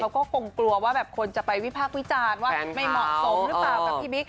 เขาก็คงกลัวว่าแบบคนจะไปวิพากษ์วิจารณ์ว่าไม่เหมาะสมหรือเปล่ากับพี่บิ๊ก